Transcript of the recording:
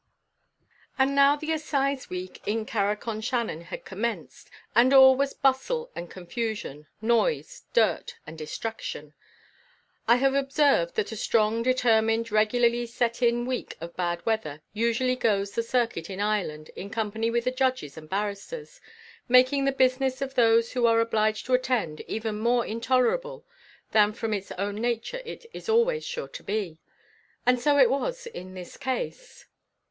And now the assize week in Carrick on Shannon had commenced, and all was bustle and confusion, noise, dirt, and distraction. I have observed that a strong, determined, regularly set in week of bad weather usually goes the circuit in Ireland in company with the judges and barristers, making the business of those who are obliged to attend even more intolerable than from its own nature it is always sure to be. And so it was in this case.